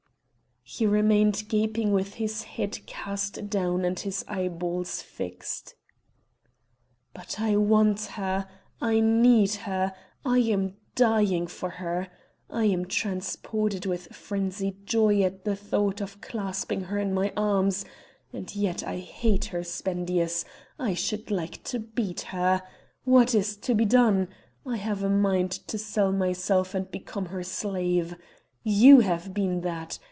He remained gaping with his head cast down and his eyeballs fixed. "But I want her! I need her! I am dying for her! I am transported with frenzied joy at the thought of clasping her in my arms, and yet I hate her, Spendius! I should like to beat her! What is to be done? I have a mind to sell myself and become her slave! You have been that!